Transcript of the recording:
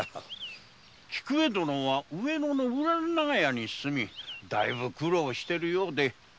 菊江殿は上野の裏長屋に住み大分苦労をしているようで。